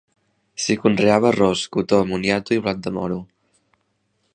S'hi conreava arròs, cotó, moniato i blat de moro.